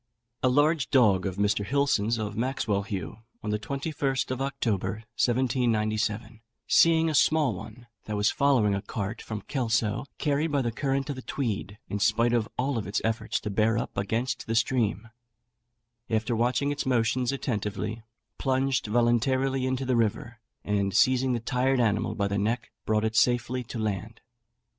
A large dog of Mr. Hilson's, of Maxwelhaugh, on the 21st of October, 1797, seeing a small one that was following a cart from Kelso carried by the current of the Tweed, in spite of all its efforts to bear up against the stream, after watching its motions attentively, plunged voluntarily into the river, and seizing the tired animal by the neck, brought it safely to land.